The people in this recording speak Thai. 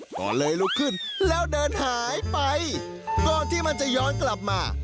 ก็เลยลุกขึ้นแล้วเดินหายไปก่อนที่มันจะย้อนกลับมา